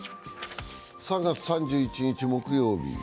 ３月３１日木曜日。